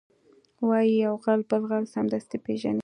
وایي یو غل بل غل سمدستي پېژني